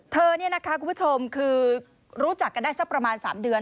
เธอนี่นะคะคุณผู้ชมคือรู้จักกันได้สักประมาณ๓เดือน